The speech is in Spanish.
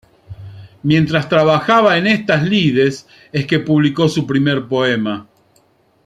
Mientras trabajaba en estas lides es que publicó su primer poema.